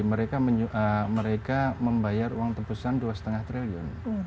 mereka membayar uang tebusan dua lima triliun